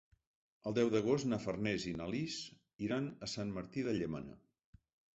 El deu d'agost na Farners i na Lis iran a Sant Martí de Llémena.